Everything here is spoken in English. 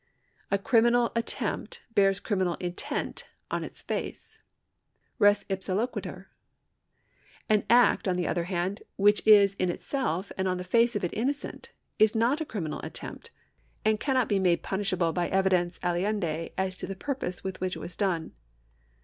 A criminal attempt bears criminal intent upon its face. Res ipsa loquitur. An act, on the other hand, which is in itself and on the face of it innocent, is not a criminal attempt, and cannot be made punishable by evidence aliunde as to the purpose with which it was done.